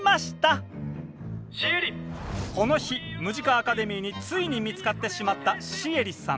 この日ムジカ・アカデミーについに見つかってしまったシエリさん